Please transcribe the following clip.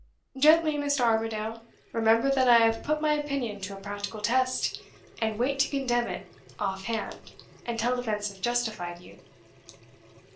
Gently, Mr. Armadale! remember that I have put my opinion to a practical test, and wait to condemn it off hand until events have justified you.